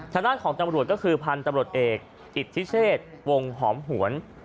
ทางด้านของตำรวจก็คือพันธุ์ตำรวจเอกอิทธิเชษวงหอมหวน